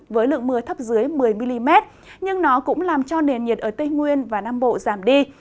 với lượng mưa thấp dưới một mươi mm nhưng nó cũng làm cho nền nhiệt ở tây nguyên và nam bộ giảm đi